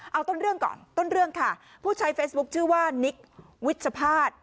เอาต้นเรื่องก่อนต้นเรื่องค่ะผู้ใช้เฟซบุ๊คชื่อว่านิกวิชภาษณ์